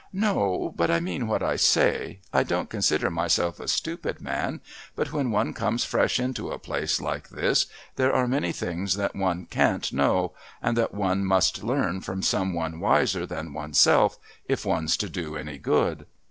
"No, but I mean what I say. I don't consider myself a stupid man, but when one comes fresh into a place like this there are many things that one can't know, and that one must learn from some one wiser than oneself if one's to do any good."